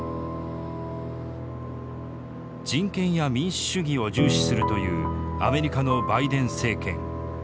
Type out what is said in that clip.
人権や民主主義を重視するというアメリカのバイデン政権。